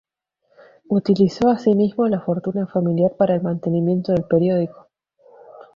Utilizó asimismo la fortuna familiar para el mantenimiento del periódico.